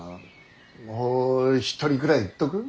もう一人くらいいっとく？